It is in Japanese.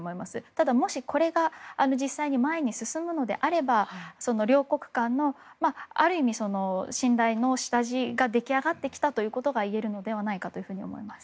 ただ、もしこれが実際に前に進むのであれば両国間の信頼の下地が出来上がってきたということが言えるのではないかと思います。